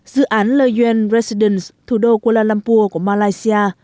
dự án le yuen residence thủ đô kuala lumpur của malaysia